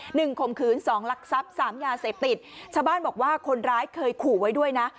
ข่มขืนสองลักทรัพย์สามยาเสพติดชาวบ้านบอกว่าคนร้ายเคยขู่ไว้ด้วยนะ